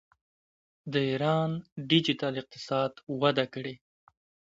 د ایران ډیجیټل اقتصاد وده کړې.